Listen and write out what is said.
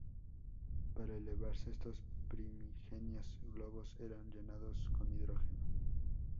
Para elevarse, estos primigenios globos eran llenados con hidrógeno.